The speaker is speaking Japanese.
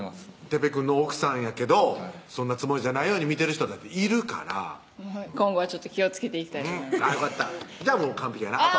哲平くんの奥さんやけどそんなつもりじゃないのに見てる人だっているから今後はちょっと気をつけていきたいと思いますよかったじゃあ完璧やなあぁ